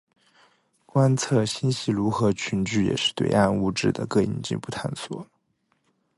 观测星系如何群聚也是对暗物质的更进一步探索。